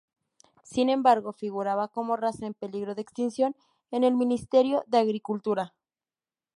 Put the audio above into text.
Sin embargo, figuraba como raza en peligro de extinción en el Ministerio de Agricultura.